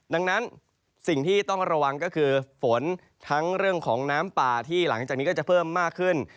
ดังนั้นสิ่งที่ต้องระวังก็คือฝนทั้งเรื่องของน้ำป่าที่หลังจากนี้ก็จะเพิ่มมากขึ้น